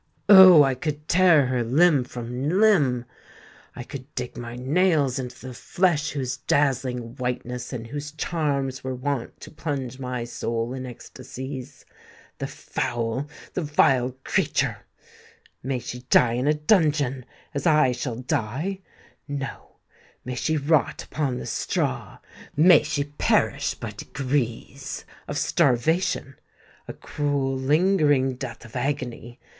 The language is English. Oh! I could tear her limb from limb: I could dig my nails into the flesh whose dazzling whiteness and whose charms were wont to plunge my soul in ecstacies. The foul—the vile creature! May she die in a dungeon, as I shall die: no, may she rot upon the straw—may she perish by degrees—of starvation,—a cruel, lingering death of agony!